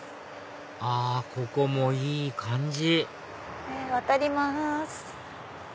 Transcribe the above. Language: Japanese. あここもいい感じ渡ります。